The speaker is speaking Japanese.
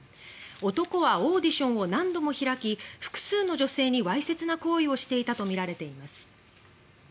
男はオーディションを何度も開き複数の女性にわいせつな行為をしていたとみられています。